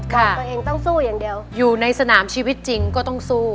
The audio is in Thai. ของตัวเองต้องสู้อย่างเดียวอยู่ในสนามชีวิตจริงก็ต้องสู้